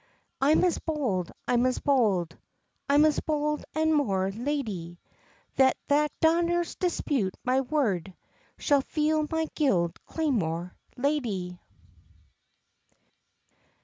I'm as bold, I'm as bold, I'm as bold, an more, ladie; He that daurs dispute my word, Shall feel my guid claymore, ladie."